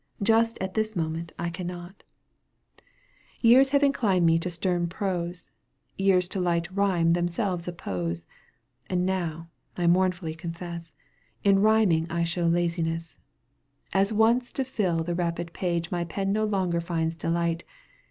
Just at this moment I cannot. Digitized by CjOOQ 1С CANTO VI. EUGENE ONEGUINR 181 Years have inclined me to stem prose, Years to light rhyme themselves oppose, And now, I mournfully confess. In rhyming I show laziness. As once, to fill the rapid page My pen no longer finds delight.